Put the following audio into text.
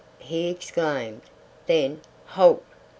he exclaimed, then, "Halt!"